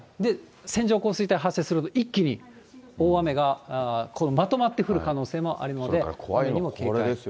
線状降水帯、発生すると、一気に大雨がまとまって降る可能性があるので、警戒です。